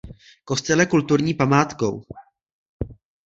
Kostel je kulturní památkou.